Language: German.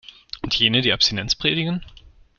Und jene, die Abstinenz predigen?